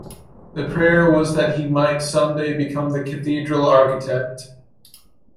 The prayer was that he might someday become the cathedral architect.